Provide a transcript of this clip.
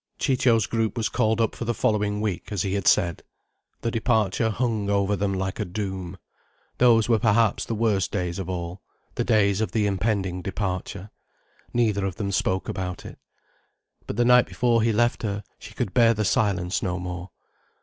Ciccio's group was called up for the following week, as he had said. The departure hung over them like a doom. Those were perhaps the worst days of all: the days of the impending departure. Neither of them spoke about it. But the night before he left she could bear the silence no more.